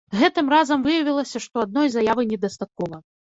Гэтым разам выявілася, што адной заявы недастаткова.